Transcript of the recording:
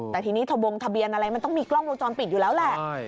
แต่ทีนี้ทะบงทะเบียนอะไรมันต้องมีกล้องวงจรปิดอยู่แล้วแหละ